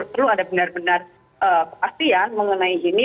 perlu ada benar benar kepastian mengenai ini